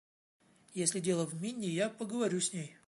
Если дело в Минни, я поговорю с ней.